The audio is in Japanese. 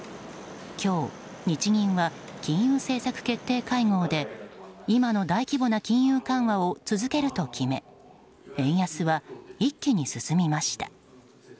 今日、日銀は金融政策決定会合で今の大規模な金融緩和を続けると決め円安は一気に進みました。